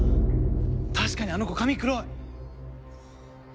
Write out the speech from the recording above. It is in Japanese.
確かにあの子髪黒い！